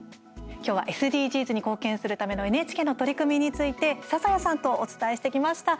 きょうはＳＤＧｓに貢献するためのＮＨＫの取り組みについて笹谷さんとお伝えしてきました。